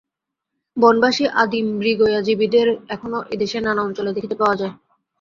বনবাসী আদিম মৃগয়াজীবীদের এখনও এদেশের নানা অঞ্চলে দেখিতে পাওয়া যায়।